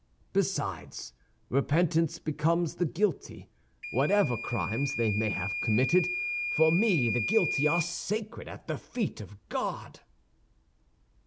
Besides, repentance becomes the guilty; whatever crimes they may have committed, for me the guilty are sacred at the feet of God!"